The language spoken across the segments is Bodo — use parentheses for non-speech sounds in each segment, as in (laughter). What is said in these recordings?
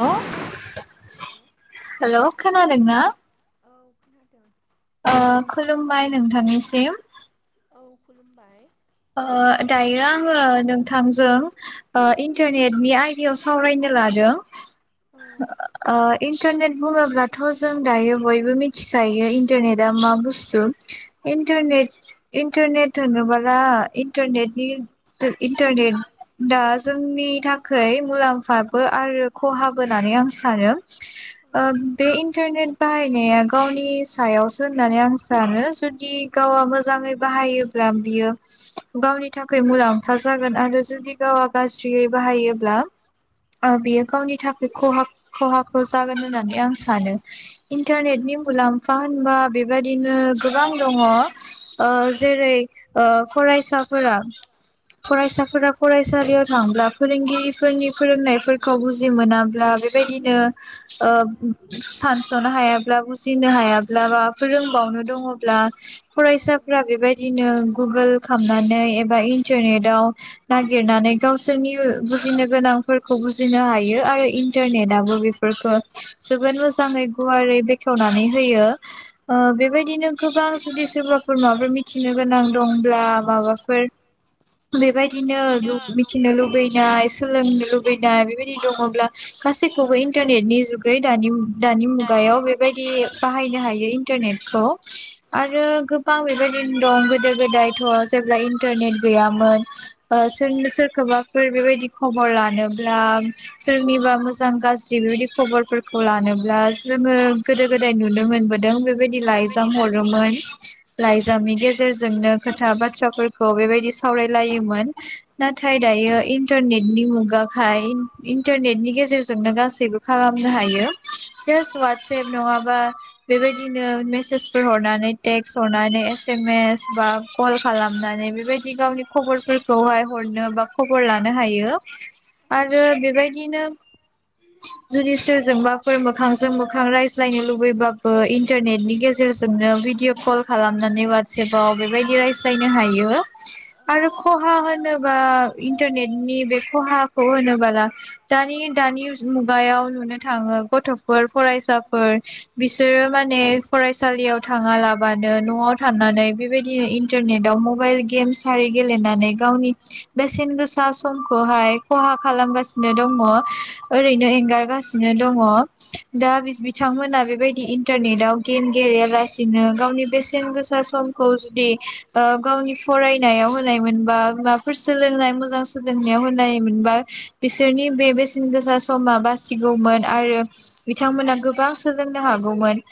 हेलौ। हेलौ खोनादों ना। खोनादों। ओ खुलुमबाय नोंथांनिसिम। औ खुलुमबाय। ओ दायो आङो नोंथांजों ओ इन्टारनेटनि आयदायाव सावरायनो लादों। ओ इन्टारनेट बुङोब्लाथ जों दायो बयबो मिथिखायो इन्टारनेटआ मा बुस्थु इन्टनेट इन्टारनेट होनोब्ला। इन्टारनेनि इन्टारनेट दा जोंनि थाखाय मुलाम्फाबो आरो खहाबो होननानै आं सानो। आरो बे ओ इन्टारनेट बाहायनाया गावनि सायावसो होननानै आं सानो जुदि गावा मोजाङै बाहायोब्ला। गावनि थाखाय मुलाम्फा जागोन आरो जुदि गावआ गाज्रियै बाहायोब्ला ओ बियो गावनि थाखाय खहा। खहा ख जागोन होननानै आं सानो इन्टारनेटनि मुलाम्फा होनबा बेबादिनो गोबां दङ ओ जेरै ओ। फरायसाफोरा फरायसालियाव थांब्ला फोरोंगिरिफोरनि फोरोंनायफोरखौ बुजि मोनाब्ला बे। बेबायदिनो ओ सानस'नो हायाब्ला बुजिनो हायाब्ला बा फोरोंबावनो दङब्ला फरायसाफोरा बेबायदिनो गुगोल। खामनानै एबा इन्टारनेटाव नागिरनानै गावसोरनि ओ बुजिनो गोनांफोरखौ बुजिनो हायो आरो इन्टारनेट। फोरखौ जोबोद मोजाङै गुवारै बेखेवनानै होयो ओ बेबायदिनो गोबां जुदि सोरबाफोर माबफोर मिथिनो गोनां दंब्ला। माबाफोर बेबायदिनो मिथिनो लुबैनाय सोलोंनो लुबैनाय बेबायदि दङब्ला गासै। खौबो इन्टारनेटनि जुगै दानि मुगायाव बेबायदि बाहायनो हायो इन्टारनेटखौ आरो गोबां बेबायदिनो दं गोदो गोदायथ'। जेब्ला इन्टारनेट गैयामोन ओ सोरनि सोरखोबाफोर बेबायदि खबर लानोब्ला सोरनिबा मोजां। मोजां गाज्रि बेबायदि खबरफोरखौ लानोब्ला जोङो गोदो गोदाय नुनो मोनबोदों बेबायदि लाइजाम हरोमोन लाइजामनि गेजेरजोंनो खोथा बाथ फिसाफोरखौ बेबायदि सावरालायोमोन नाथाय दायो इन्टारनेटनि मुगाखाय इन्टारनेटनि गेजेरजों। जों दा गासैबो खालामनो हायो फेस वादसेप नङाबा बेबायदिनो मेसेसफोर हरनानै टेक्स हरनानै एसेमेस बा कल। खालामनानै बेबायदि गावनि खबरफोरखौहाय हरनो बा खबर लानो हायो आरो बेबायदिनो। जुदि सोरजोंबाफोर मोखांजों मोखां रायज्लायनो लुबैबाबो इन्टारनेटनि गेजेरजोंनो भिडिअ कल खालामनानै वाटसेपाव बेबायदि रायज्ला हायो आरो खहा होनोबा इन्टारनेनि बे खहाखौ होनोबाला दा। मानि दानि मुगायाव नुनो थाङो गथ'फोर फरायसाफोर बिसोरो माने फरायसालियाव थाङालाबानो न'आव थानानै बेबायदि इन्टारनेट। इन्टारनेटाव मबाइल गेम्स आरि गेलेनानै गावनि बेसेन गोसा समखौहाय खहा खालामगासिनो दङ। ओरैनो एंगारगासिनो दङ दा बिथांमोना बेबायदि इन्टारनेटाव गेम गेलेयासिनो गावनि बेसेन गोसा समखौ जुदि। ओ गावनि फरायनायाव होनायमोनबा माबाफोर सोलोंनाय मोजां सोलोंनायाव होनायमोनबा बिसोरनि बे बेसेन। बेसेन गोसा समा बासिगौमोन आरो बिथांमोना गोबां सोलोंनो हागौमोन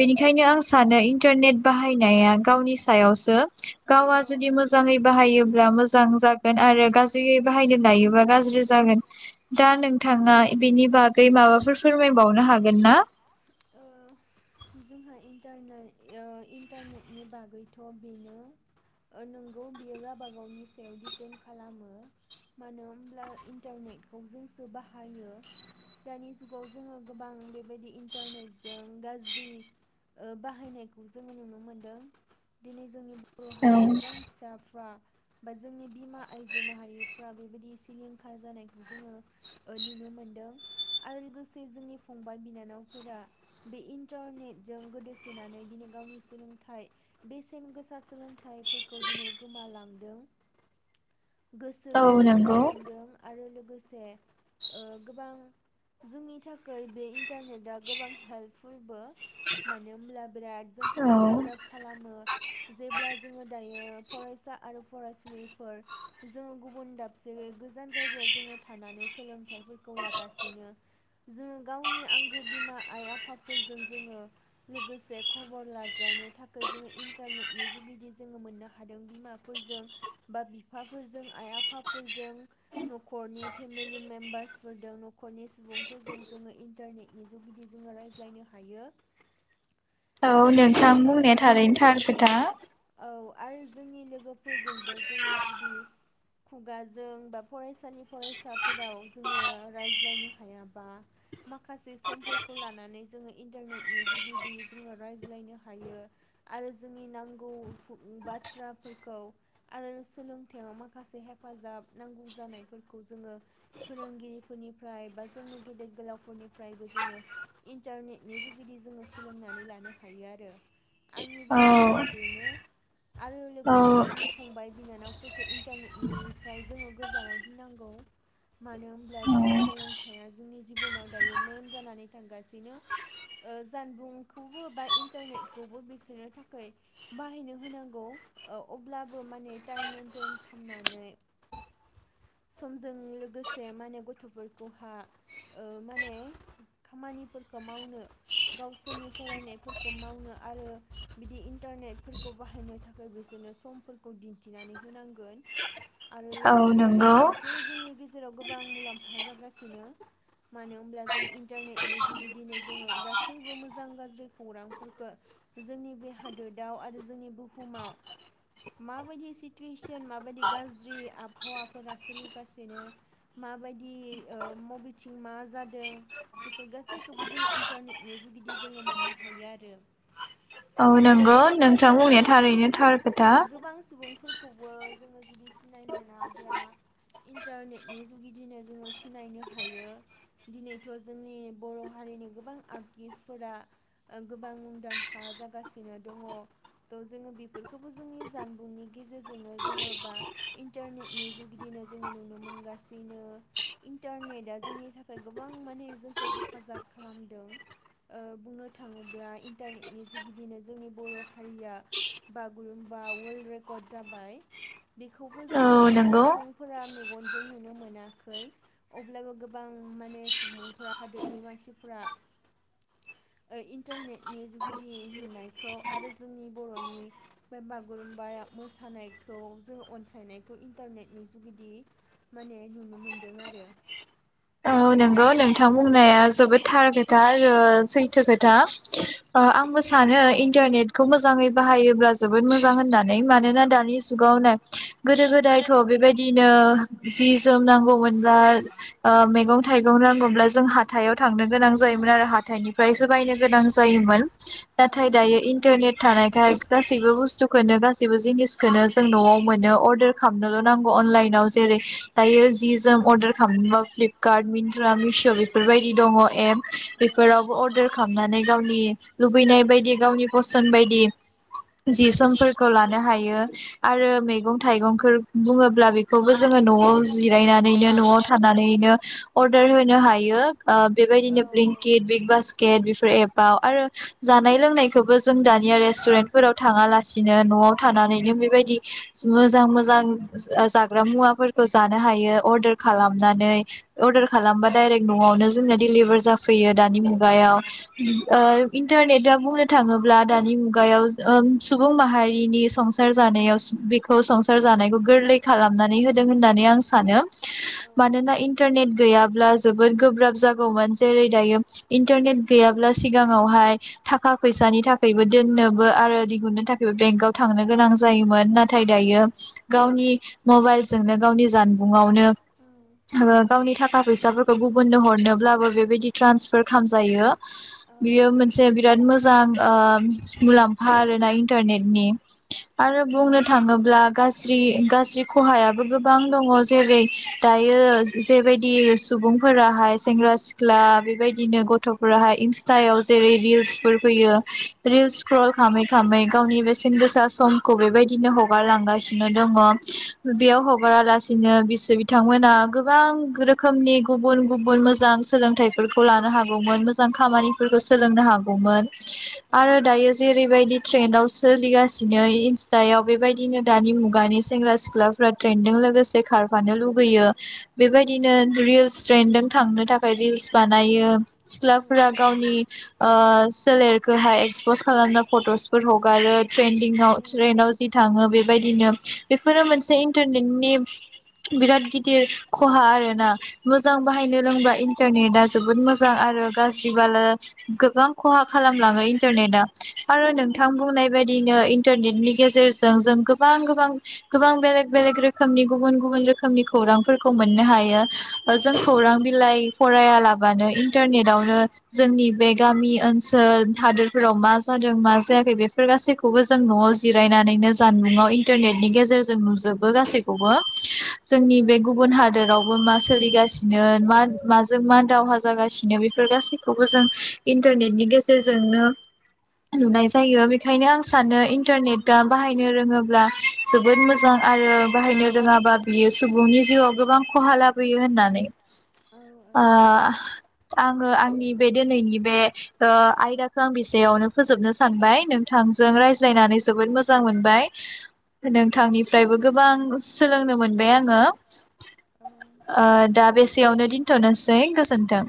बेनिखायनो आं सानो इन्टारनेट बाहायनाया गावनि सायाव गावआ जुदि मोजाङै बाहायोब्ला मोजां जागोन आरो गाज्रियै बाहायनो लायोबा गाज्रि जागोन। दा नोंथाङा बेनि बागै माबाफोर फोरमायबावनो हागोन ना? ओ जोंहा इन्टारनाय ओ इन्टारनेटनि बागैथ' बेनो ओ नोंगौ बियो गाबागावनि सायाव दिडपेन्ड खालामो मानो होमब्ला इन्टारनेटखौ जों खो बाहायो दानि जुगाव जोङो गोबां बेबायदि इन्टारनेटजों गाज्रि ओ बाहायनायखौ जोङो नुनो मोनदों दिनै जोंनि बर' हारि गोबां फिसाफ्रा बा जोंनि बिमा आइजो माहारिफ्रा बेबायदि सिलिंखार जानायखौ जोङो ओ नुनो मोनदों आरो लोगोसे जोंनि फंबाय बिनानावफोरा बे इन्टारनेटजों गोदोसोनानै दिनै गावनि सोलोंथाइ बेसेन गोसा सोलोंथाइफोरखौ दिनै गोमालांदों। गोसो गैयि जालांदों आरो बे गोसे ओ गोबां जोंनि थाखाय बे इन्टारनेटआ गोबां हेल्पफुलबो। मानो होमब्ला बिराद जोंखौ हेफाजाब खालामो जेब्ला जोङो दायो फरायसा आरो फरायसुलिफोर जोङो गुबुन दाबसे गोजान जायगायाव जोङो थानानै सोलोंथाइफोरखौ लागासिनो जोङो गावनि आंगो बिमा सोलोंथाइफोरखौ लागासिनो जों गावनि आंगो बिमा आइ आफाफोरजों जोङो लोगोसे खबर लाज्लायनो थाखाय जोङो इन्टारनेटनि जुगिदि जोङो मोननो हादों बिमाफोरजों बा बिफाफोरजों आइ आफाफोरजों न'खरनि फेमिलि मेम्बारसफोरदों नख'रनि सुबुंफोरजों जोङो इन्टारनेट नि जुगिदि जोङो रायज्लायनो हायो। औ नोंथां बुंनाया थारैनो थार खोथा। आरो जोंनि लोगोफोरजोंबो जोङो जुदि खुगाजों बा फरायसालि फरायसा हायाबा माखासे समफोरखौ लानानै जोङो इन्टारनेटनि जुगेदि जोङो रायजो ज्लायनो हायो आरो जोंनि नांगौ खौ बाथ्राफोरखौ आरो सोलोंथायाव माखासे हेफाजाब नांगौ जानायफोरखौ जोङो फोरोंगिरिफोरनिफ्राय बा जोंनि गेदेर गोलावफोरनिफ्रायबो जोङो इन्टारनेटनि जुगिदि जोङो सोलोंनानै लानो हायो आरो। आंनि बुंनांगौआ बेनो आरो लोगोसे जोंनि फंबाय बिनानावफोरखौ इन्टारनेटनिफ्राय जोङो गोजानाव दिननांगौ। मानो होमब्ला जोंहा सोलोंथाइया जोंनि जिबनाव दायो मेइन जानानै थांगासिनो ओ जानबुंखौबो बा इन्टारनेटखौबो बिसोनो थाखाय बाहायनो होनांगौ ओ अब्लाबो माने टाइम मेइन्टेन खामनानै समजों लोगो गोसे माने गथ'फोरखौहा ओ माने खामानिफोरखौ मावनो गावसोरनि फरायनायफोरखौ मावनो आरो बिदि इन्टारनेटफोरखौ बाहायनो थाखाय बिसोरनो समफोरखौ दिन्थिनानै होनांगोन। आरो लोगोसे दिनैथ' जोंनि जेराव गोबां मुलाम्फा जागासिनो मानो होमब्ला जों इन्टारनेटनि जुगिदिनो जोङो गासैबो मोजां गाज्रि खौरांफोरखो जोंनि बे हादोदाव आरो जोंनि बुहुमाव माबायदि सिटुवेसन माबायदि गाज्रि आबहावाफोरा सोलिगासिनो माबायदि ओ मबेथिं मा जादों बेफोर गासैखौबो जोङो इन्टारनेटनि जुगिदि जोङो मोननो हायो आरो। औ नंगौ नोंथां बुंनाया थारैनो थार खोथा। फोरखौबो जोङो जुदि सिनाय मोनाब्ला इन्टारनेट नि जुगिदिनो जोङो सिनायनो हायो दिनैथ' जोंनि बर' हारिनि गोबां आर्टिस्टफोरा ओ गोबां मुंदांखा जागासिनो दङ त' जोङो बेफोरखौबो जोंनि जानबुंनि गेजेरजोंनो जोङो बा इन्टारनेटनि जुगिदिनो जोङो नुनो मोनगा सिनो इटारनेटआ जोंनि थाखाय गोबां माने जोंखौ हेफाजाब खालामदों ओ बुंनो थाङोब्ला इन्टारनेटनि जुगिदिनो जोंनि बर' हारिया बागुरुम्बा वर्ल्ड रेकर्ड जाबाय बेखौ बो जोङो गोबां सुबुंफोरा मे (unintelligible) दों नुनो मोनाखै। अब्लाबो गोबां माने सुबुंफोरा हादोदनि मानसिफोरा ओ इन्टारनेटनि जुगिदि नुनायखौ आरो जोंनि बर'नि बे बागुरुम्बाया मोसानायखौ जों अनसायनायखौ इन्टारनेटनि जुगिदि माने नुनो मोनदों आरो। औ नंगौ नोंथां बुंनाया जोबोद थार खोथा आरो सैथो खोथा ओ आंबो सानो इन्टारनेटखौ मोजाङै बाहायोब्ला जोबोद मोजां होननानै मानोना दानि जुगावनो गोदो गोदायथ' बेबादिनो जि जोम नांगौमोनब्ला ओ मेगं थाइगं नांगौब्ला जों हाथायाव थांनो गोनां जायोमोन आरो हाथाइनिफायसो बायनो गोनां जायोमोन। नाथाय दायो इन्टारनेट थानायखाय गासैबो बुस्थुखोनो, गासैबो जिनिसखोनो जों न'वाव मोन मोनो अर्डार खामनोल' नांगौ अलाइन जेरै दायो जि जोम अर्डार खामनोबाबो प्लिप मिन्त्रा मिस' बेफोरबायदि दंङ एप। बेफोरावबो अर्दार खामनानै गावनि लुगैनाय बायदि गावनि फसन बायदि जि जोमफोरखौ लानो हायो आरो मैगं थाइगंखोर बुङोब्ला बेखौबो जोङो न'आव जिरायनानैनो न'आव थानानैनो अर्डार होनो हायो। ओ बेबायदिनो ब्लिंकिट, बिग बासकेट बेफोर एपाव आरो जानाय लोंनायखोबो जों दानिया रेस्टुरेन्टफोराव थाङा लासिनो न'आव थानानैनो बेबायदि मोजां मोजां जाग्रा मुवाफोरखो जानो हायो अर्डार खालामनानै। अर्डार खालामबा डायरेक्ट न'आवनो जोंना डिलिभार जाफैयो दानि मुगायाव। ओ इन्टारनेटआ बुंनो थाङोब्ला दानि मुगायाव ओम सुबुं माहारिनि संसार जानायाव बेखौ संसार जानायखौ गोरलै खालामनानै होदों होननानै आं सानो। मानोना इन टारनेट गैयाब्ला जोबोद गोब्राब जागौमोन। जेरै दायो इन्टारनेट गैयाब्ला सिगाङावहाय थाखा फैसानि थाखैबो दोननोबो आरो दिहुननो थाखैबो बेंकाव थांनो गोनां जायोमोन। ना थाय दायो गावनि मबाइलजोंनो गावनि जानबुङावनो गावनि थाखा फैसाफोरखो गुबुननो हरनोब्लाबो बेबायदि ट्रान्सफार खालामजायो। बियो मोनसे बिराद मोजां ओ मुलाम्फा आरोना इन्टारनेटनि आरो बुंनो थांङो ब्ला गाज्रि गाज्रि खहायाबो गोबां दं। जेरै दायो द (unintelligible) लांगासिनो दङ। बेयाव हगारालासिनो बिसोर बिथांमोना गो बां रोखोमनि गुबुन गुबुन मोजां सोलोंथाइफोरखौ लानो हागौमोन, मोजां खामानिफोरखौ सोलोंनो हागौमोन आरो दायो जेरैबायदि ट्रेन्डाव सोलिगासिनो इनस टायाव बेबायदिनो दानि मुगानि सेंग्रा सिख्लाफ्रा ट्रेन्दों लोगोसे खारफानो लुगैयो। बेबादिनो रिल्स ट्रेन्डों थांनो थाखाय रिल्स बानायो सिख्लाफोरा गावनि ओ सोलेरखोहाय एक्सपस खालामना फट'सफोर हगारो ट्रेन्दि़ंङाव ट्रेन्डाव जि बेबायदिनो बेफोरो मोनसे इन्टारनेटनि बिराद गिदिर आरोना, मोजां बाहायनो रोंबा इन्टारनेदा जोबोद मोजां आरो गाज्रि बाल गोबां खहा खालामलाङो इन्टारनेदा आरो नोंथां बुंनाय बायदिनो इन्टारनेदनि गेजेरजों जों गोबां गोबां गोबां बेलेग बेलेग रोखोमनि गुबुन गुबुन रोखोमनि खौरांफोर खौ मोननो हायो। जों खौरां बिलाइ फरायालाबानो इन्टारनेटावनो जोंनि बे गामि ओनसोल हादोरफोराव मा जादों, मा जायाखै बेफोर गासैखौबो जों न'वाव जि रायनानैनो जानबुङाव इन्टारनेटनि गेजेरजों नुजोबो गासैखौबो। जोंनि बे गुबुन हादोरावबो मा सोलिगासिनो मा माजों, मा दावहा जागासिनो बेफोर गासैखौबो जों इन्टारनेटनि गेजेरजोंनो नुनाय जायो। बेखायनो आं सानो इन्टारनेटा बाहायनो रोङोब्ला जोबोद मोजां आरो बाहायनो रोङाबा बियो सुबुंनि गोबां खहा लाबोयो होननानै आङो आंनि बे दिनैनि बे आयदाखौ आं बिसेयावनो फोजोबनो सानबाय। नोंथांजों रायज्लायनानै जोबोद मोजां मोनबाय नोंथांनिफ्रायबो गोबां सोलोंनो मोनबाय आंङो। ओ दा बेसेयावनो दोनथ'नोसै गोजोनथों।